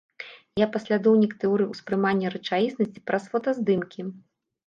Я паслядоўнік тэорыі ўспрымання рэчаіснасці праз фотаздымкі.